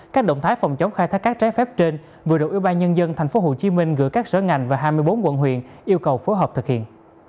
các động thái phòng chống khai thác các trái phép trên vừa được ủy ban nhân dân tp hcm gửi các sở ngành và hai mươi bốn quận huyện yêu cầu phối hợp thực hiện